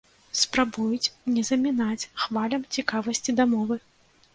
Спрабуюць не замінаць хвалям цікавасці да мовы.